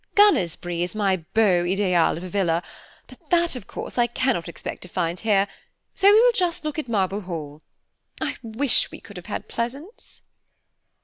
Gunnersbury is my beau idéal of a villa, but that, of course, I cannot expect to find here; so we will just look at Marble Hall. I wish I could have had Pleasance."